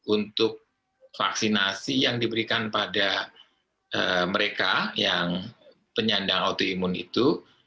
untuk vaksinasi yang diberikan pada mereka yang penyandang autoimun itu